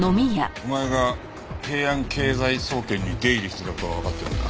お前が平安経済総研に出入りしてた事はわかってるんだ。